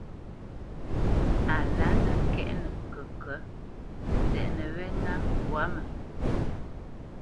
A lǎ nə̄ ŋkɛ̂t ŋkəŋkə̌t, tsɛʼnə wɛ́ ŋá mbwǎ mə.